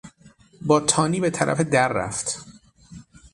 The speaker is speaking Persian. با تانی به طرف در رفت.